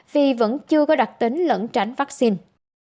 vì vẫn chưa có đặc tính lẫn tránh vaccine